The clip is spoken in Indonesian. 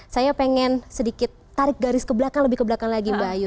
saya pengen sedikit tarik garis ke belakang lebih ke belakang lagi mbak ayu